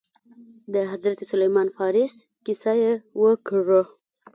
د حضرت سلمان فارس كيسه يې وكړه.